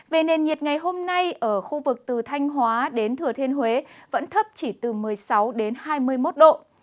về nền nhiệt ngày hôm nay ở khu vực từ thanh hóa đến thừa thiên huế vẫn thấp chỉ từ một mươi sáu đến hai mươi một độ